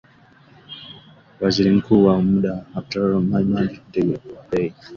Waziri Mkuu wa muda Abdulhamid Dbeibah